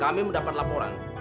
kami mendapat laporan